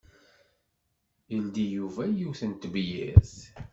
Yeldi Yuba yiwet n tebyirt.